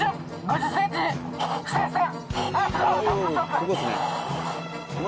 ここですね。